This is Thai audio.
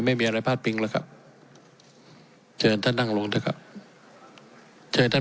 ไม่มีอะไรพลาดปิ๊งแล้วครับเชิญท่านนั่งลงเถอะครับเชิญท่าน